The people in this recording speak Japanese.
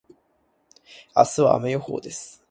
明日は雨予報です。